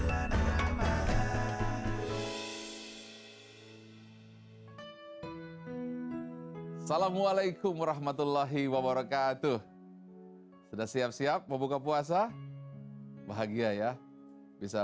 assalamualaikum warahmatullahi wabarakatuh sudah siap siap membuka puasa bahagia ya bisa